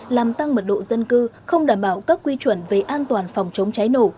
làm tăng mật độ dân cư không đảm bảo các quy chuẩn về an toàn phòng chống cháy nổ